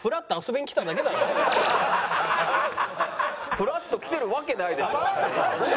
ふらっと来てるわけないでしょ。